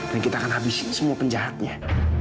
dan kita akan habisin semua penjahatnya